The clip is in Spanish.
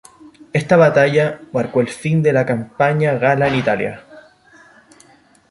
Esta batalla marcó el fin de la campaña gala en Italia.